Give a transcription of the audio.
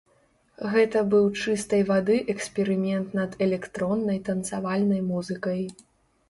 Гэта быў чыстай вады эксперымент над электроннай танцавальнай музыкай.